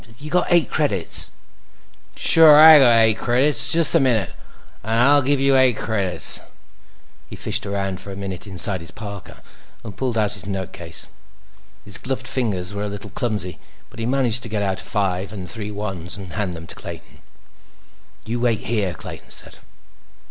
You got eight credits?" "Sure I got eight credits. Just a minute, and I'll give you eight credits." He fished around for a minute inside his parka, and pulled out his notecase. His gloved fingers were a little clumsy, but he managed to get out a five and three ones and hand them to Clayton. "You wait out here," Clayton said.